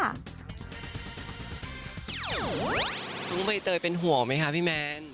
หนูใบเตยเป็นหัวไหมคะพี่แมน